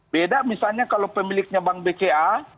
beda misalnya kalau pemiliknya bank bca